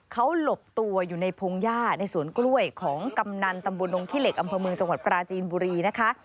เขาหลบตัวอยู่ในพงหญ้าในสวนกล้วยของกำนันตำบลนงขี้เหล็กอำเภอเมืองจังหวัดปราจีนบุรีนะคะ